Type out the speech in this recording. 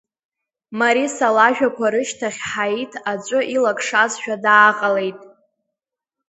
Мариса лажәақәа рышьҭахь Ҳаиҭ аҵәы илакшазшәа дааҟалеит.